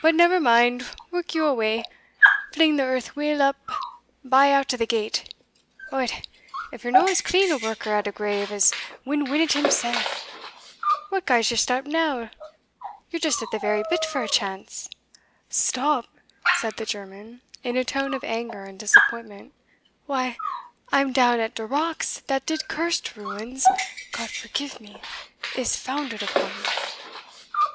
But never mind, work you away fling the earth weel up by out o' the gate Od, if ye're no as clean a worker at a grave as Win Winnet himsell! What gars ye stop now? ye're just at the very bit for a chance." "Stop!" said the German, in a tone of anger and disappointment, "why, I am down at de rocks dat de cursed ruins (God forgife me!) is founded upon."